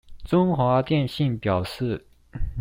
中華電信表示